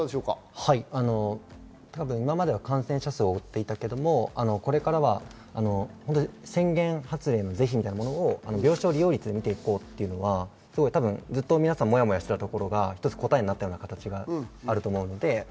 今までは感染者数を追っていたけど、これからは宣言発令の是非みたいなものを病床利用率で見ていこうというのはずっと皆さんモヤモヤしていたところが答えになったような形があると思います。